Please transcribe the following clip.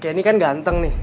kenny kan ganteng nih